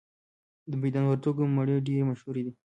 د میدان وردګو مڼې ډیرې مشهورې دي